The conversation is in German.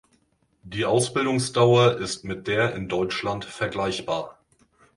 Die Ausbildungsdauer ist mit der in Deutschland vergleichbar.